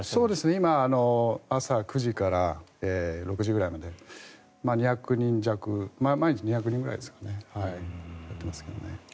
今は朝９時から６時ぐらいまで２００人弱毎日２００人ぐらいやってます。